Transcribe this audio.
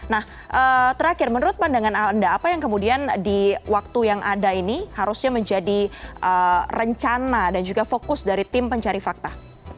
nah terakhir menurut pandangan anda apa yang kemudian di waktu yang ada ini harusnya menjadi rencana dan juga fokus dari tim pencari fakta